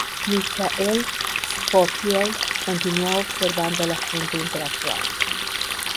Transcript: Michael Scofield continua observando a la gente interactuar.